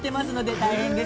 大変です。